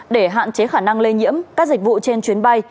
để hạn chế khả năng lây nhiễm các dịch vụ trên chuyến bay